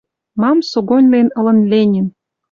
Мам согоньлен ылын Ленин